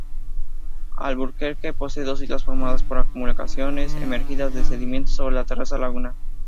Albuquerque posee dos islas formadas por acumulaciones emergidas de sedimentos sobre la terraza lagunar.